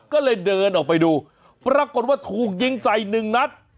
ก็เลยเดินออกไปดูปรากฏว่าถูกยิงใส่หนึ่งนัด